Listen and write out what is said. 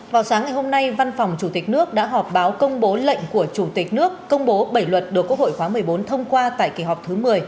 vào sáng ngày hôm nay văn phòng chủ tịch nước đã họp báo công bố lệnh của chủ tịch nước công bố bảy luật được quốc hội khóa một mươi bốn thông qua tại kỳ họp thứ một mươi